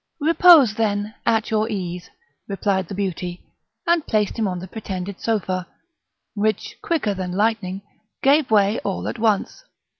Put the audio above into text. "Repose, then, at your ease," replied the beauty, and placed him on the pretended sofa, which, quicker than lightning, gave way all at once.